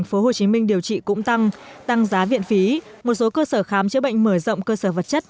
tp hcm điều trị cũng tăng tăng giá viện phí một số cơ sở khám chữa bệnh mở rộng cơ sở vật chất